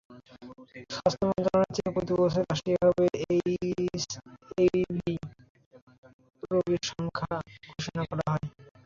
স্বাস্থ্য মন্ত্রণালয় থেকে প্রতিবছর রাষ্ট্রীয়ভাবে এইচআইভি রোগীর সংখ্যা ঘোষণা করা হয়।